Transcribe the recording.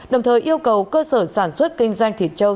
đồng thời yêu cầu cơ sở sản xuất kinh doanh thịt trâu